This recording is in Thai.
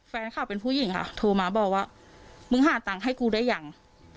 แฟนเขาเป็นผู้หญิงค่ะโทรมาบอกว่ามึงหาตังค์ให้กูได้ยัง